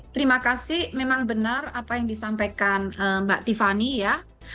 terima kasih memang benar apa yang disampaikan mbak tiffany ya